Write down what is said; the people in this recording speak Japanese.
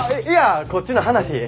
いやこっちの話。